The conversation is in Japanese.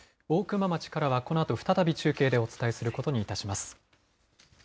大熊町からはこのあと再び中継でお伝えすることにいたします。